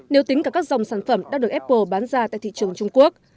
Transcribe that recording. nếu tính cả các dòng sản phẩm đã được apple bán ra tại thị trường trung quốc